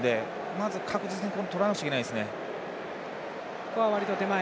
まず確実にとらなくちゃいけないですね。